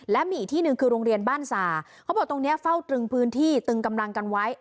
และมีอีกที่หนึ่งคือโรงเรียนบ้านสาเขาบอกตรงเนี้ยเฝ้าตรึงพื้นที่ตึงกำลังกันไว้